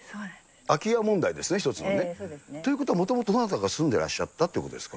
空き家問題ですね、ひとつのね。ということはもともとどなたかが住んでらっしゃったということですか。